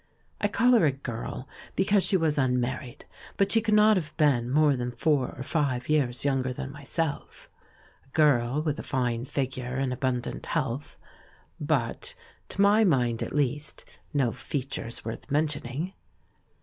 I call her a "girl" because she was unmarried, but she could not have been more than four or five years young er than myself — a girl with a fine figure and abundant health, but, to my mind at least, no features worth mentioning.